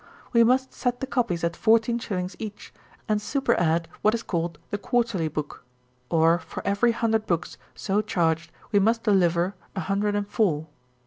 We must set the copies at fourteen shillings each, and superadd what is called the quarterly book, or for every hundred books so charged we must deliver an hundred and four.